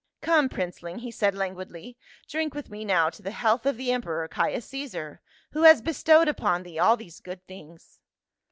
"Come, princeling," he said languidly, "drink with me now to the health of the Emperor, Caius Caesar, who has bestowed upon thee all these good things."